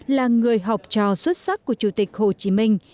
là người học trò xuất sắc của chủ tịch hồ chí minh